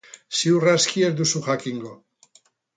Ziur aski ez duzu jakingo.